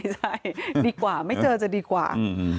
ใช่ดีกว่าไม่เจอจะดีกว่า